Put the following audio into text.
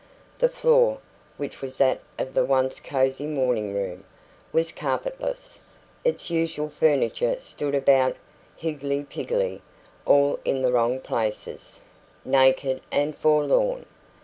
The floor, which was that of the once cosy morning room, was carpetless; its usual furniture stood about higgledy piggledy, all in the wrong places, naked and forlorn.